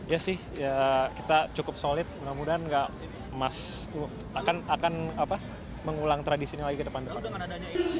ya sih kita cukup solid semoga emas akan mengulang tradisinya lagi ke depan depan